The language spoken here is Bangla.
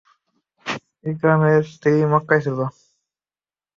ইকরামার স্ত্রী মক্কায় ছিল।